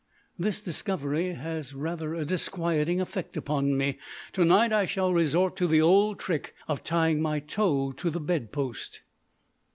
This discovery has rather a disquieting effect upon me. Tonight I shall resort to the old trick of tying my toe to the bed post.